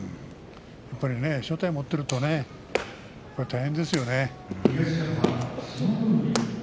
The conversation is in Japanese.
やっぱり所帯を持っているとね大変ですよね。